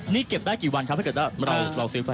นี่เก็บได้กี่วันครับถ้าเกิดว่าเราซื้อไป